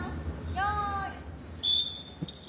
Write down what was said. よい。